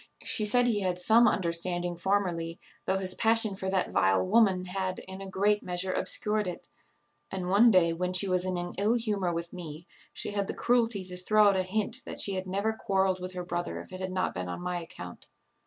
She said he had some understanding formerly, though his passion for that vile woman had, in a great measure, obscured it; and one day, when she was in an ill humour with me, she had the cruelty to throw out a hint that she had never quarrelled with her brother if it had not been on my account."